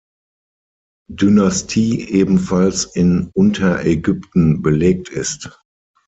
Dynastie ebenfalls in Unterägypten belegt ist.